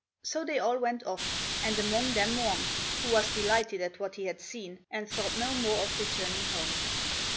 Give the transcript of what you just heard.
So they all went off, and among them Wang, who was delighted at what he had seen, and thought no more of returning home.